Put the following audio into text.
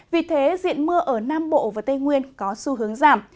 vì thế diện mưa ở nam bộ và tây nguyên có xu hướng giảm